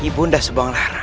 ibu sudah sebuang lahirah